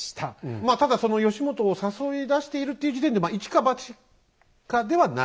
まあただその義元を誘い出しているっていう時点でまあ一か八かではない。